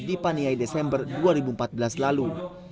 di paniai desember dua ribu empat belas lalu